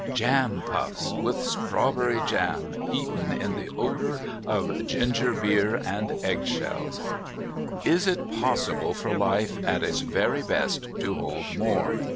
Jam puffs with strawberry jam eaten in the odour of ginger beer and eggshells! Is it possible for life at its very best to hold more?